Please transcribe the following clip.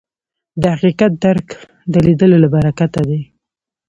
د حقیقت درک د لیدلو له برکته دی